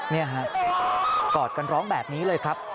นี่ฮะกอดกันร้องแบบนี้เลยครับ